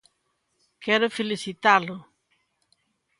Quero felicitalo.